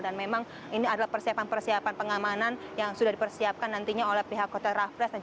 dan memang ini adalah persiapan persiapan pengamanan yang sudah dipersiapkan nantinya oleh pihak hotel raffles